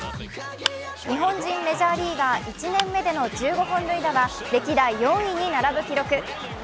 日本人メジャーリーガー１年目での１５本塁打は歴代４位に並ぶ記録。